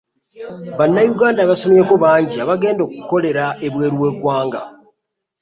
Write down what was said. Banayuganda abasomyeko bangi abagenda okukolera ebweru w'eggwanga.